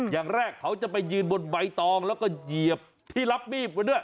อย่างแรกเขาจะไปยืนบนใบตองแล้วก็เหยียบที่รับมีดมาด้วย